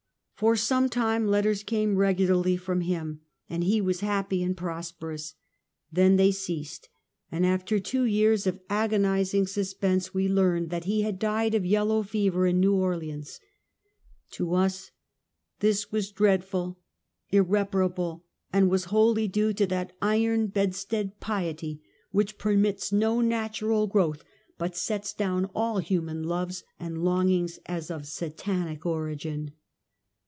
For some time letters came regularly from him, and he was happy and prosperous. Then they ceased, and after two years of agonizing suspense, we heard that he had died of yellow fever in 'New Orleans. To us, this was dreadful, irreparable, and was wholly due to that iron bedstead piety which permits no natural growth, but sets down all human loves and longings as of Satanic origin.